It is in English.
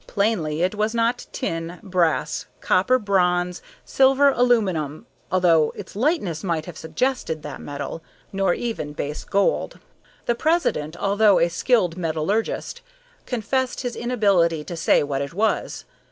Plainly it was not tin, brass, copper, bronze, silver, aluminum although its lightness might have suggested that metal nor even base gold. The president, although a skilled metallurgist, confessed his inability to say what it was.